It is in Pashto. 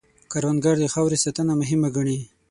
کروندګر د خاورې ساتنه مهم ګڼي